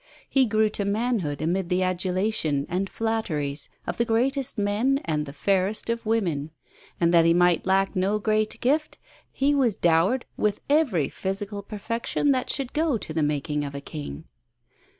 He grew to manhood amid the adulation and flatteries of the greatest men and the fairest of women. And that he might lack no great gift, he was dowered with every physical perfection that should go to the making of a King.